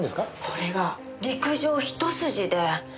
それが陸上一筋で。